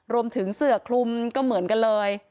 เสือคลุมก็เหมือนกันเลย